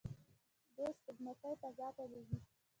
دوی سپوږمکۍ فضا ته لیږلي.